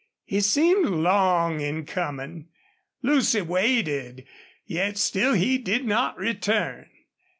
He seemed long in coming. Lucy waited, yet still he did not return.